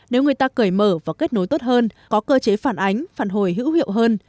nếu người ta cởi mở và kết nối tốt hơn có cơ chế phản ánh phản hồi hữu hiệu hơn